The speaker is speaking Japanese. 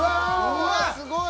うわすごい！